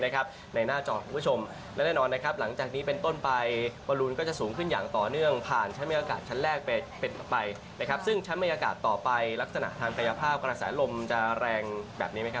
กระยะภาพกระแสลมจะแรงแบบนี้ไหมครับ